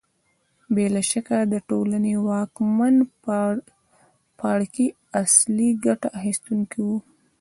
بې له شکه د ټولنې واکمن پاړکي اصلي ګټه اخیستونکي وو